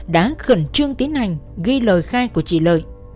đã khẩn trương tiến hành ghi lời khai của chị lợi